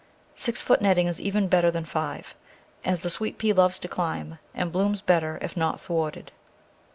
Six foot netting is even better than five, as the Sweet pea loves to climb, and blooms better if not thwarted.